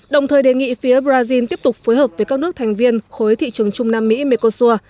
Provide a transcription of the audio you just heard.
đồng thời đề nghị phía brazil tiếp tục phối hợp với các nước thành viên khối thị trường trung nam mỹ mekosur